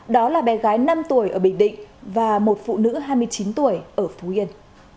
đó là bé gái năm tuổi ở bình định và một phụ nữ hai mươi chín tuổi ở phú yên